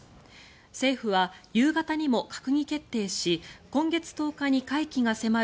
政府は夕方にも閣議決定し今月１０日に会期が迫る